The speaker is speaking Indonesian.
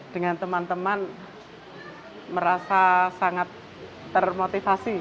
dengan teman teman merasa sangat termotivasi